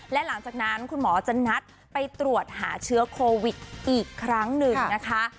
และหลังจากนั้นคุณหมอจะนัดไปตรวจหาเชื้อโควิดอีกครั้งหนึ่งนะคะ